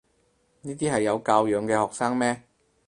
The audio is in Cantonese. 呢啲係有教養嘅學生咩？